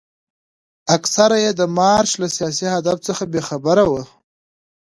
اکثره یې د مارش له سیاسي هدف څخه بې خبره وو.